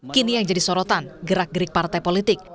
kini yang jadi sorotan gerak gerik partai politik